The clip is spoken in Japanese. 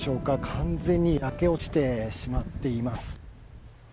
完全に焼け落ちてしまっています。